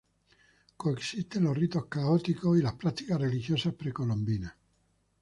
Coexisten los ritos católicos y las prácticas religiosas precolombinas.